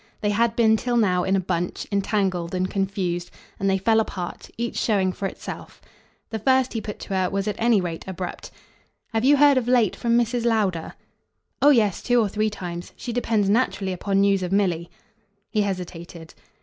They had been till now in a bunch, entangled and confused; and they fell apart, each showing for itself. The first he put to her was at any rate abrupt. "Have you heard of late from Mrs. Lowder." "Oh yes, two or three times. She depends naturally upon news of Milly." He hesitated.